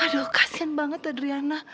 aduh kasian banget adriana